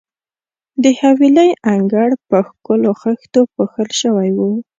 د حویلۍ انګړ په ښکلو خښتو پوښل شوی وو.